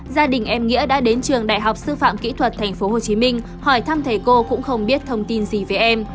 gia đình em nghĩa đã đến trường đại học sư phạm kỹ thuật tp hcm hỏi thăm thầy cô cũng không biết thông tin gì về em